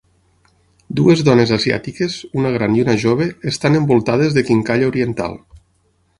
Dues dones asiàtiques, una gran i una jove, estan envoltades de quincalla oriental.